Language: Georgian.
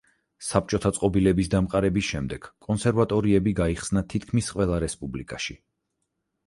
საბჭოთა წყობილების დამყარების შემდეგ კონსერვატორიები გაიხსნა თითქმის ყველა რესპუბლიკაში.